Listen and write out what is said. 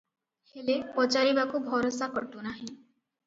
ହେଲେ, ପଚାରିବାକୁ ଭରସା ଖଟୁ ନାହିଁ ।